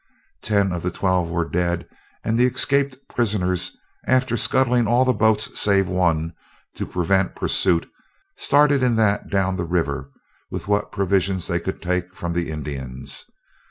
Ten of the twelve were dead, and the escaped prisoners, after scuttling all the boats save one, to prevent pursuit, started in that down the river, with what provisions they could take from the Indians.